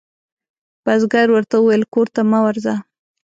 بزګر ورته وویل کور ته مه ورځه.